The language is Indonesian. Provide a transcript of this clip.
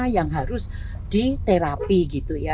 yang harus diterapi gitu ya